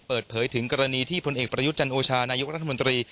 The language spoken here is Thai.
เปิดเผยถึงกรณีที่พลเอกประยุทธ์จันโอชานายกรัฐมนตรี